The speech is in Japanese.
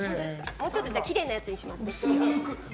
もうちょっときれいなやつにします、じゃあ。